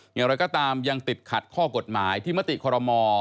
อย่างไรก็ตามยังติดขัดข้อกฎหมายที่มติคอรมอ